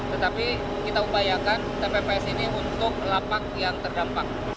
tetapi kita upayakan tpps ini untuk lapak yang terdampak